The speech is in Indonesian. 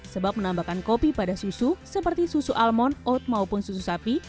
sebab menambahkan kopi pada susu seperti susu almond oat maupun susu sapi